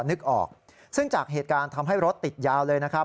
นึกออกซึ่งจากเหตุการณ์ทำให้รถติดยาวเลยนะครับ